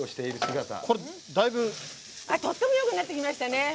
とってもよくなってきましたね。